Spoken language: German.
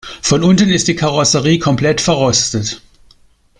Von unten ist die Karosserie komplett verrostet.